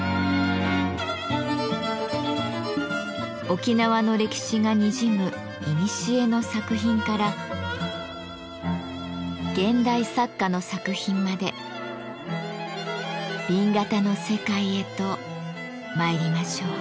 沖縄の歴史がにじむいにしえの作品から現代作家の作品まで紅型の世界へと参りましょう。